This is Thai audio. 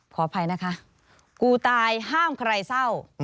ขออภัยนะคะกูตายห้ามใครเศร้า